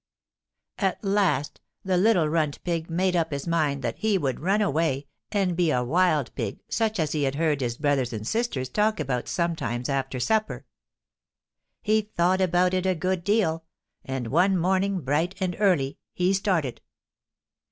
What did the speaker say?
At last the little runt pig made up his mind that he would run away and be a wild pig such as he had heard his brothers and sisters talk about sometimes after supper. He thought about it a good deal, and one morning bright and early he started.